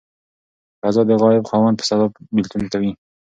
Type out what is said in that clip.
قضا د غائب خاوند په سبب بيلتون کوي.